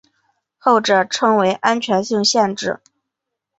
后者称为安全性限制。